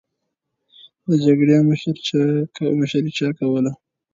د جګړې مشري چا کوله؟